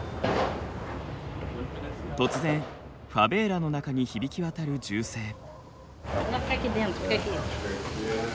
突然ファベーラの中に響き渡る銃声。